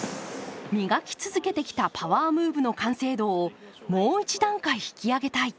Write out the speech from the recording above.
磨き続けてきたパワームーブの完成度をもう一段階引き上げたい。